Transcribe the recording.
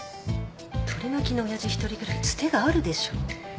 取り巻きの親父１人ぐらいつてがあるでしょ。